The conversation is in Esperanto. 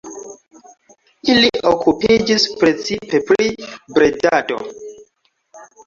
Ili okupiĝis precipe pri bredado.